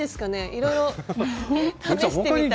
いろいろ試してみたい。